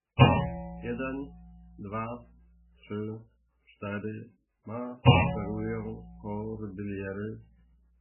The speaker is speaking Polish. Jeden, dwa, trzy, cztery maszerują Kordyliery